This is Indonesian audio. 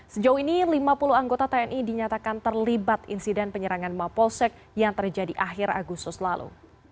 sejauh ini lima puluh anggota tni dinyatakan terlibat insiden penyerangan mapolsek yang terjadi akhir agustus lalu